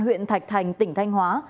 huyện thạch thành tỉnh thanh hóa